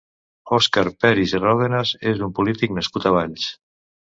Òscar Peris i Ròdenas és un polític nascut a Valls.